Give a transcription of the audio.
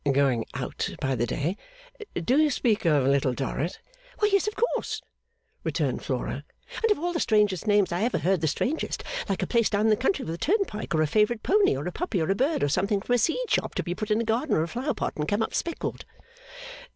'Going out by the day! Do you speak of Little Dorrit?' 'Why yes of course,' returned Flora; 'and of all the strangest names I ever heard the strangest, like a place down in the country with a turnpike, or a favourite pony or a puppy or a bird or something from a seed shop to be put in a garden or a flower pot and come up speckled.